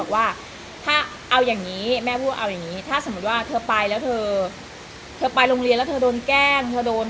ว่าแม่ไม่อยากไปโรงเรียนแล้ว